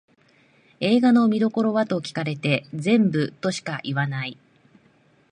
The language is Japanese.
映画の見どころはと聞かれて全部としか言わない